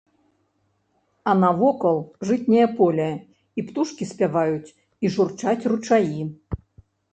А навокал жытняе поле, і птушкі спяваюць, і журчаць ручаі.